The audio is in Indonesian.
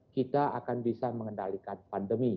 kita akan bisa mengendalikan pandemi